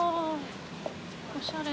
おしゃれ。